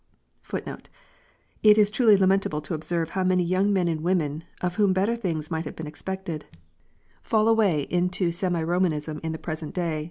f It is truly lamentable to observe how many young men and women, of whom better things might have been expected, fall away into semi Komanism THE LORD S SUPPER.